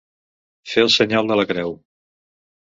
Fer el senyal de la creu.